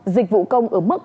dịch vụ công ở mức